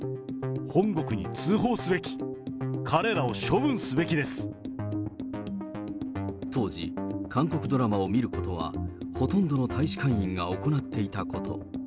本国に通報すべき、当時、韓国ドラマを見ることは、ほとんどの大使館員が行っていたこと。